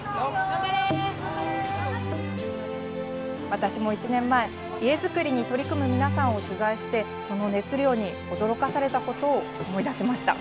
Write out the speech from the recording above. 私も１年前、家づくりに取り組む皆さんを取材してその熱量に驚かされたことを思い出しました。